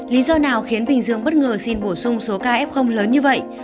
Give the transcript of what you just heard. lý do nào khiến bình dương bất ngờ xin bổ sung số ca f lớn như vậy